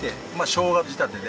しょうが仕立てで。